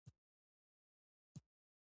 لور يې نرۍ شونډې ويتې کړې.